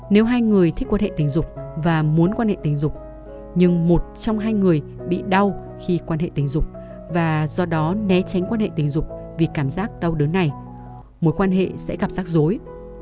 nếu hai người thích quan hệ tình dục và muốn quan hệ tình dục nhưng một trong hai người bị đau khi quan hệ tình dục và do đó né tránh quan hệ tình dục vì cảm giác đau đớn này mối quan hệ sẽ gặp rắc rối